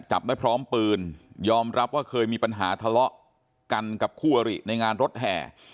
จับได้พร้อมปืนยอมรับว่าเคยมีปัญหาทะเลาะกันกับคู่อริในงานรถแห่